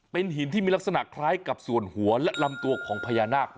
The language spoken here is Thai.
เป็นหินที่มีลักษณะคล้ายกับส่วนหัวและลำตัวของพญานาค